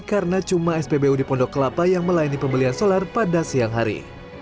karena cuma spbu di pondok kelapa yang melayani pembelian solar pada siang hari